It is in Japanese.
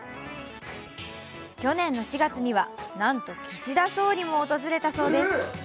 去年の４月には岸田総理も訪れたそうです。